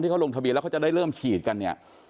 เขาลงทะเบียนแล้วเขาจะได้เริ่มฉีดกันเนี่ย